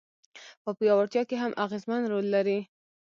په پياوړتيا کي هم اغېزمن رول لري.